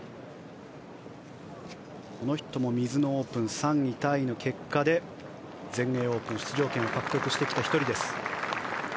この人もミズノオープン３位タイの結果で全英オープン出場権を獲得してきた１人です。